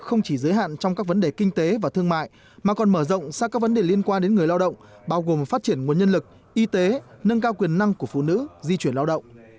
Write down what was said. phát triển nguồn nhân lực y tế nâng cao quyền năng của phụ nữ di chuyển lao động